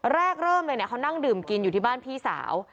แรกเริ่มเลยเขานั่งดื่มกินอยู่ที่บ้านพี่สาว